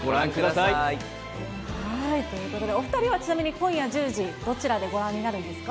ということで、お２人はちなみに今夜１０時、どちらでご覧になるんですか？